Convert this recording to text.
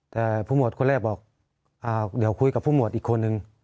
แต่ผู้หมวดคนแรกบอกเดี๋ยวคุยกับผู้หมวดอีกคนนึง